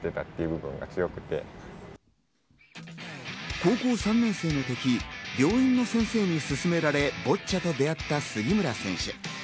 高校３年生の時、病院の先生に勧められ、ボッチャと出会った杉村選手。